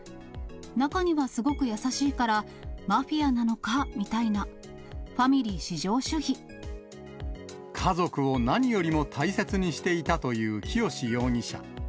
中にはすごく優しいからマフィアなのかみたいな、家族を何よりも大切にしていたという清志容疑者。